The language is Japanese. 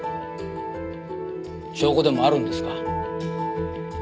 証拠でもあるんですか？